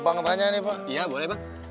tunggu saya mau tanya nih pak iya boleh bang